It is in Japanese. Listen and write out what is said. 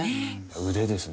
腕ですね。